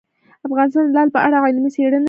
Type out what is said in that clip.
افغانستان د لعل په اړه علمي څېړنې لري.